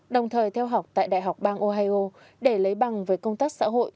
đồng thời theo học tại đại học bang ohio để lấy bằng về công tác xã hội